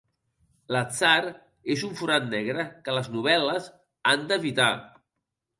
L'atzar és un forat negre que les novel·les han d'evitar.